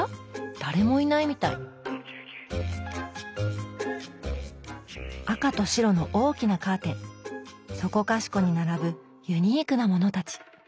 誰もいないみたい赤と白の大きなカーテンそこかしこに並ぶユニークなものたち。